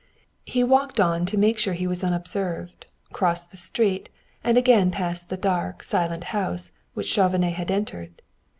He walked on to make sure he was unobserved, crossed the street, and again passed the dark, silent house which Chauvenet had entered.